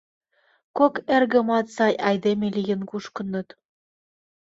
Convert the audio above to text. Кок эргымат сай айдеме лийын кушкыныт.